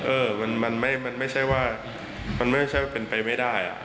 เออมันไม่ใช่ว่าเป็นไปไม่ได้อ่ะ